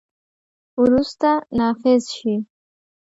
وروسته، نافذ شي.